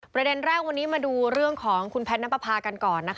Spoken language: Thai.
ประเด็นแรกวันนี้มาดูเรื่องของคุณแพทย์น้ำประพากันก่อน